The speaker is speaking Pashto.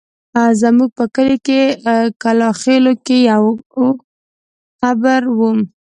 زموږ په کلي کلاخېلو کې يو اوږد قبر و.